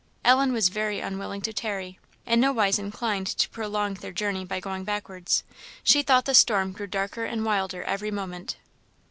Ellen was very unwilling to tarry, and nowise inclined to prolong their journey by going backwards. She thought the storm grew darker and wilder every moment.